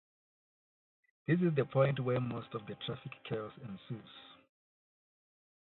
This is the point where most of the traffic chaos ensues.